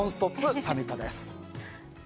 サミットです。